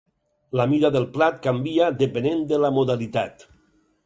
La mida del plat canvia depenent de la modalitat.